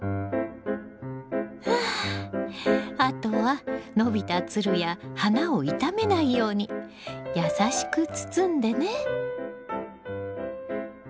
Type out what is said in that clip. はああとは伸びたツルや花を傷めないようにやさしく包んでね。